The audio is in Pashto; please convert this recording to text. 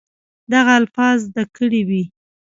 دغه الفاظ زده کړي وي